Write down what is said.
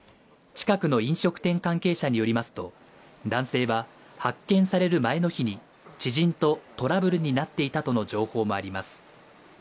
近くの飲食店関係者によりますと男性は発見される前の日に知人とトラブルになっていたとの情報もあります